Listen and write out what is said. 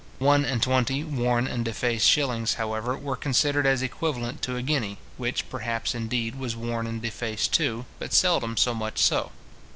One and twenty worn and defaced shillings, however, were considered as equivalent to a guinea, which, perhaps, indeed, was worn and defaced too, but seldom so much so.